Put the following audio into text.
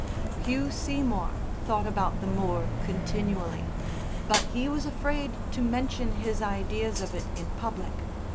Hugh Seymour thought about the moor continually, but he was afraid to mention his ideas of it in public.